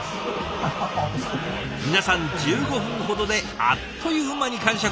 皆さん１５分ほどであっという間に完食。